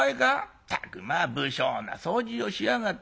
ったくまあ不精な掃除をしやがって。